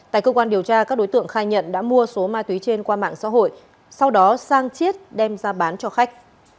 tại cơ quan điều tra các đối tượng khai nhận đã mua số ma túy trên qua mạng xã hội sau đó sang chiết đem ra bán cho khách